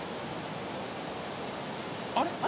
あれ？